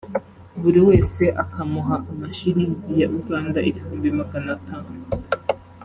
buri wese akamuha amashilingi ya Uganda ibihumbi magana atanu